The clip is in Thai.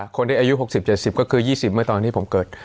คนที่อายุ๖๐๗๐ก็คือ๒๐เมื่อตอนที่ผมเกิด